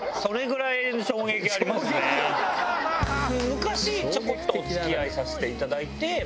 昔ちょこっとお付き合いさせていただいて。